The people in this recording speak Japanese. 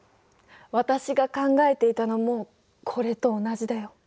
私が考えていたのもこれと同じだよ。